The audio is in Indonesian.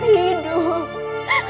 saya masih hidup